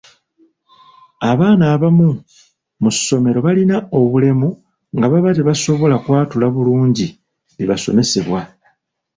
Abaana abamu mu ssomero balina obulemu nga baba tebasobola kwatula bulungi bibasomesebwa.